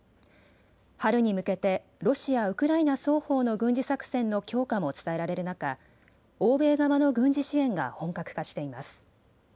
春に向けてロシア、ウクライナ双方の軍事作戦の強化も伝えられる中、欧米側の軍事支援が本格化しています。